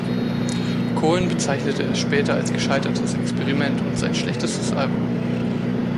Cohen bezeichnete es später als gescheitertes Experiment und sein schlechtestes Album.